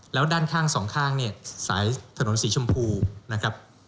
แล้วด้านข้างสองข้างเนี่ยสายถนนสีชมพูนะครับ